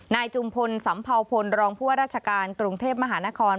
นายจุมพลสำเภาพลรองพัวราชการกรุงเทพมหานคร